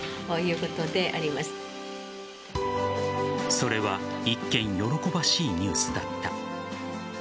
それは一見、喜ばしいニュースだった。